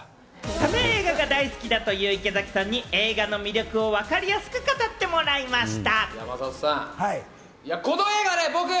サメ映画が大好きという池崎さんに、この映画の魅力をわかりやすく語ってもらいました。